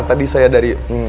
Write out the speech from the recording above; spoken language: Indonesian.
tadi saya dari